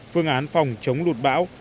phương án phòng chống lụt bão